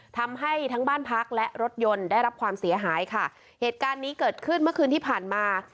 ทำให้ทั้งบ้านพักและรถยนต์ได้รับความเสียหายค่ะเหตุการณ์นี้เกิดขึ้นเมื่อคืนที่ผ่านมา